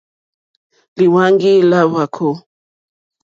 Lìhwáŋɡí lá hwàkó.